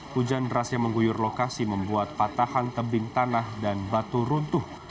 hujan deras yang mengguyur lokasi membuat patahan tebing tanah dan batu runtuh